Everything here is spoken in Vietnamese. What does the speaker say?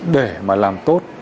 để mà làm tốt